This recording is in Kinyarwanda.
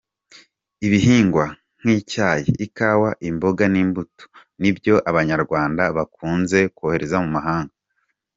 Ibihingwa nk’icyayi, ikawa, imboga n’imbuto, nibyo Abanyarwanda bakunze kohereza mu mahanga.